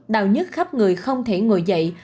đau nhất khắp người không thể ngồi dậy